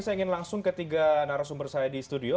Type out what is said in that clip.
saya ingin langsung ketiga narasumber saya di studio